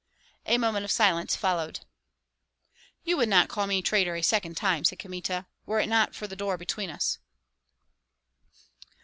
A moment of silence followed. "You would not call me traitor a second time," said Kmita, "were it not for the door between us."